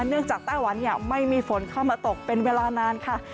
เนื่องจากไต้หวันเนี่ยไม่มีฝนเข้ามาตกเป็นเวลานานค่ะ